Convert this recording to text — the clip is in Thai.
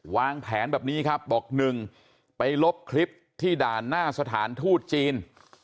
วางแผนแบบนี้ครับบอก๑ไปลบคลิปที่ด่านหน้าสถานทูตจีน